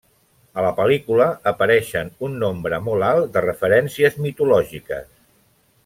A la pel·lícula apareixen un nombre molt alt de referències mitològiques.